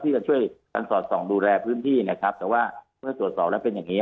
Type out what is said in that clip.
จะช่วยกันสอดส่องดูแลพื้นที่นะครับแต่ว่าเมื่อตรวจสอบแล้วเป็นอย่างนี้